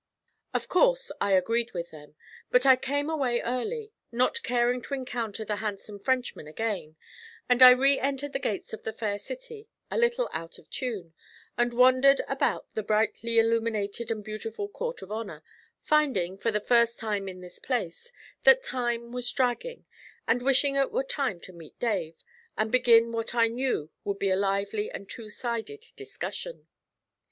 Of course I agreed with them; but I came away early, not caring to encounter the handsome Frenchman again, and I re entered the gates of the Fair City a little out of tune, and wandered about the brightly illuminated and beautiful Court of Honour, finding, for the first time in this place, that time was dragging, and wishing it were time to meet Dave, and begin what I knew would be a lively and two sided discussion.